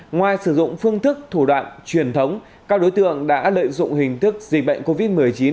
ngoài sử dụng phương thức thủ đoạn truyền thống các đối tượng đã lợi dụng hình thức dịch bệnh covid một mươi chín